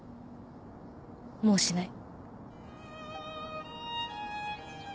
もうしない。